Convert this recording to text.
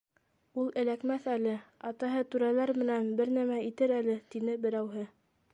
— Ул эләкмәҫ әле, атаһы түрәләр менән бер нәмә итер әле, — тине берәүһе.